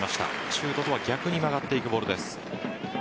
シュートとは逆に曲がっていくボールです。